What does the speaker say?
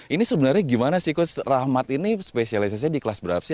ini sebenarnya gimana sih coach rahmat ini spesialisasinya di kelas berapa sih